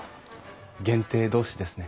限定同士ですね。